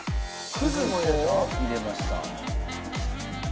くず粉を入れました。